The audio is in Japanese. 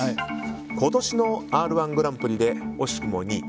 今年の「Ｒ‐１グランプリ」で惜しくも２位。